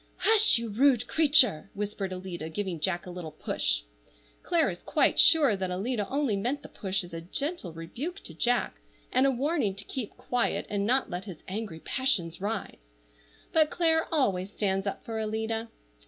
"Hush, you rude creature!" whispered Alida, giving Jack a little push. Clare is quite sure that Alida only meant the push as a gentle rebuke to Jack, and a warning to keep quiet, and not let his angry passions rise; but Clare always stands up for Alida.